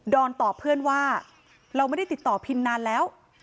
อนตอบเพื่อนว่าเราไม่ได้ติดต่อพิมนานแล้ว